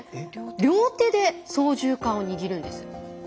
両手で操縦かんを握るんです。